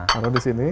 taruh di sini